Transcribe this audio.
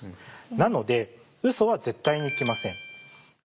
なのでウソは絶対にいけません。